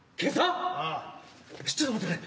ちょっと待ってくれ。